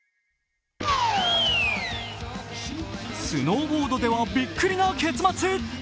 スノーボードではびっくりな結末。